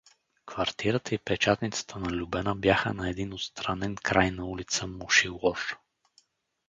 Квартирата и печатницата на Любена бяха на един отстранен край на улица „Мошилор“.